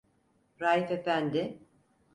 Raif efendi: